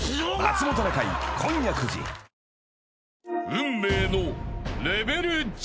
［運命の］